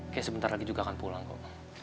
kayak sebentar lagi juga akan pulang kok